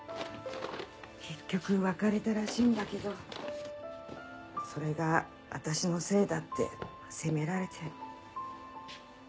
結局別れたらしいんだけどそれが私のせいだって責められて。